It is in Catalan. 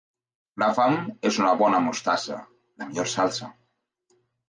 La fam és una bona mostassa, la millor salsa.